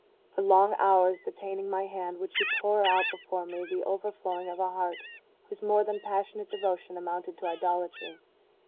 For long hours, detaining my hand, would she pour out before me the overflowing of a heart whose more than passionate devotion amounted to idolatry.